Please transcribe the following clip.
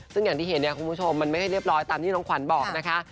ซึ่งอย่างที่เห็นเนี่ยคุณผู้ชมมันไม่ให้เรียบร้อยตามที่น้องขวัญบอกนะคะ